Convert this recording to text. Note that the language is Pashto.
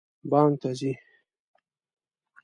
بانک ته ځئ؟